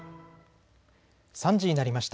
３時になりました。